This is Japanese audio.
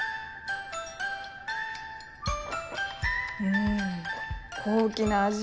うん高貴な味。